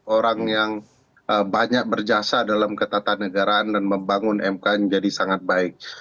orang yang banyak berjasa dalam ketatanegaraan dan membangun mk menjadi sangat baik